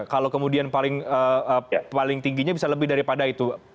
kalau kemudian paling tingginya bisa lebih daripada itu